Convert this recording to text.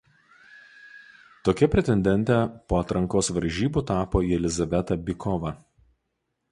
Tokia pretendente po atrankos varžybų tapo Jelizaveta Bykova.